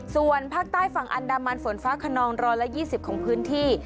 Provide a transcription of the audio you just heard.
ส่วนภาคใต้ฝั่งอันดามันฝนฟ้าขนอง๑๒๐ของพื้นที่